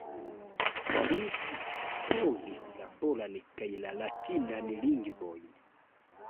Li scipovis la polan kaj la latinan lingvojn.